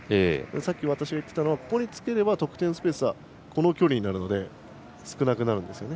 さっき私が言っていたのはここにつければ得点スペースは少なくなるんですね。